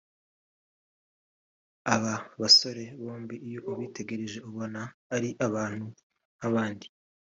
Aba bosore bombi iyo ubitegereje ubona ari abantu nk’abandi